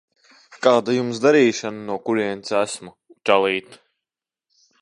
Kāda Jums darīšana no kurienes esmu, čalīt?